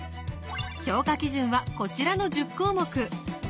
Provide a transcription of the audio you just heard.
評価基準はこちらの１０項目。